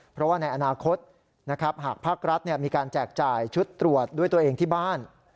เพราะว่าในอนาคตนะครับหากภาครัฐมีการแจกจ่ายชุดตรวจด้วยตัวเองที่บ้าน